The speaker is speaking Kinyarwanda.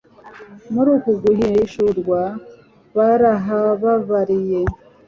muri uku guhishurwa, barahababariye